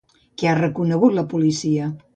Què ha reconegut a la policia?